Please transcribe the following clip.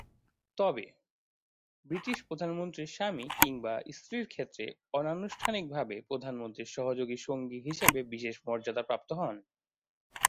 তবে, ব্রিটিশ প্রধানমন্ত্রীর স্বামী কিংবা স্ত্রীর ক্ষেত্রে অনানুষ্ঠানিকভাবে প্রধানমন্ত্রীর সহযোগী সঙ্গী হিসেবে বিশেষ মর্যাদাপ্রাপ্ত হন।